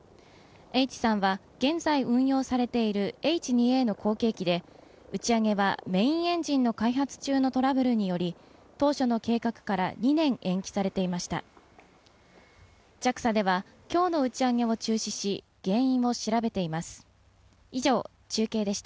Ｈ３は現在運用されているＨ２Ａの後継機で打ち上げはメインエンジンの開発中のトラブルにより当初の計画から２年延期されていましたＪＡＸＡでは今日の打ち上げを中止し原因を調べています